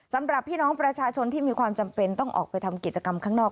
สำหรับพี่น้องประชาชนที่มีความจำเป็นต้องออกไปทำกิจกรรมข้างนอก